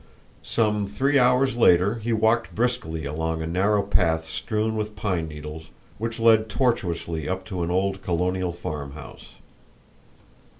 Some three hours later he walked briskly along a narrow path strewn with pine needles, which led tortuously up to an old colonial farmhouse.